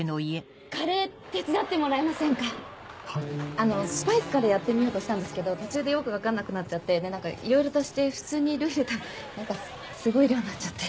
あのスパイスからやってみようとしたんですけど途中でよく分かんなくなっちゃって何かいろいろ足して普通にルー入れたら何かすごい量になっちゃって。